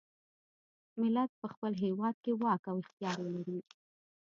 ملت په خپل هیواد کې واک او اختیار ولري.